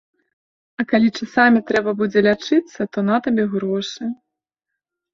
А калі часамі трэба будзе лячыцца, то на табе грошы.